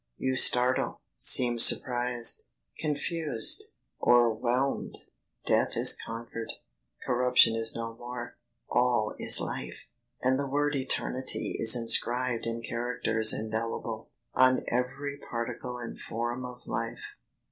You startle, seem surprised! confused! o'erwhelmed! Death is conquered, corruption is no more, All is life, and the word ETERNITY Is inscribed in characters indelible, On every particle and form of life.